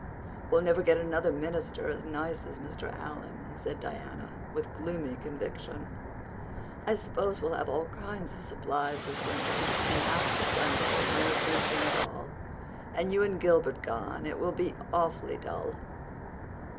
"We'll never get another minister as nice as Mr. Allan," said Diana, with gloomy conviction. "I suppose we'll have all kinds of supplies this winter, and half the Sundays no preaching at all. And you and Gilbert gone—it will be awfully dull."